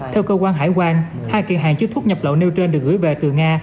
theo cơ quan hải quan hai kỳ hàng chứa thuốc nhập lậu nêu trên được gửi về từ nga